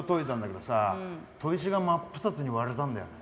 砥石が真っ二つに割れたんだよね。